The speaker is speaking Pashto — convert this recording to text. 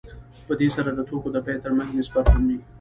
په دې سره د توکو د بیې ترمنځ نسبت مومي